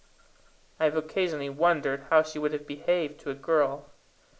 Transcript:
I have occasionally wondered how she would have behaved to a girl.